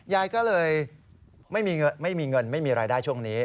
ยายก็เลยไม่มีเงินไม่มีรายได้ช่วงนี้